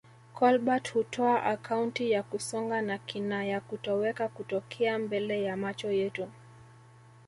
Kolbert hutoa akaunti ya kusonga na kina ya kutoweka kutokea mbele ya macho yetu